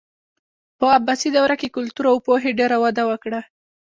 په عباسي دوره کې کلتور او پوهې ډېره وده وکړه.